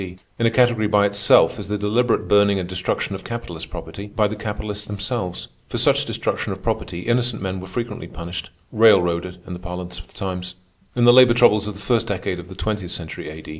D. In a category by itself is the deliberate burning and destruction of capitalist property by the capitalists themselves. For such destruction of property innocent men were frequently punished—"railroaded" in the parlance of the times. In the labor troubles of the first decade of the twentieth century A.